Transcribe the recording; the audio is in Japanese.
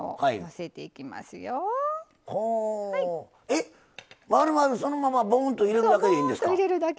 えっまるまるそのままぼんと入れるだけでいいんですか？